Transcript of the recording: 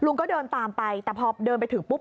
ก็เดินตามไปแต่พอเดินไปถึงปุ๊บ